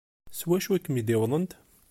S wacu i kem-id-wtent?